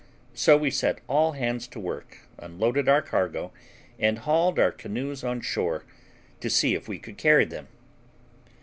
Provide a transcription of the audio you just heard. So we set all hands to work, unloaded our cargo, and hauled our canoes on shore, to see if we could carry them.